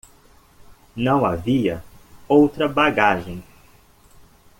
Não havia outra bagagem.